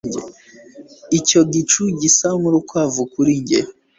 Icyo gicu gisa nkurukwavu kuri njye.